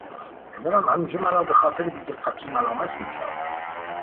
پدرم همیشه مرا بخاطر بیدقتی ملامت میکرد.